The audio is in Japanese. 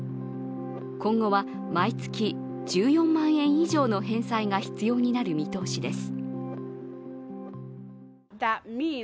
今後は毎月１４万円以上の返済が必要になる見通しです。